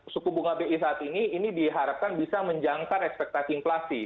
suku bunga bi saat ini ini diharapkan bisa menjangkar ekspektasi inflasi